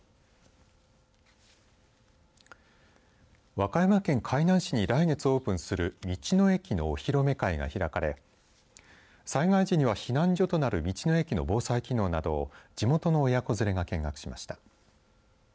和歌山県海南市に来月オープンする道の駅のお披露目会が開かれ災害時の避難所となる道の駅の防災機能などを地元の親子連れが見学しました。